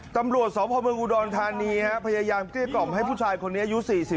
ตำรวจสพเมืองอุดรธานีพยายามเกลี้ยกล่อมให้ผู้ชายคนนี้อายุ๔๕